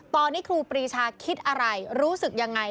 ตอนนี้ครูปรีชาคิดอะไรรู้สึกยังไง